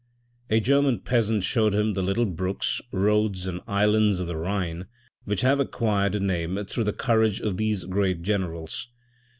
A German peasant showed him the little brooks, roads and islands of the Rhine, which have acquired a name through the courage of these great generals.